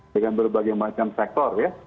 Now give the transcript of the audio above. dengan berbagai macam sektor ya